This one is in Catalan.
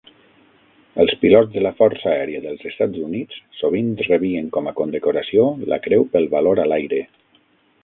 Els pilots de la Força Aèria dels Estats Units sovint rebien com a condecoració la Creu pel valor a l'aire.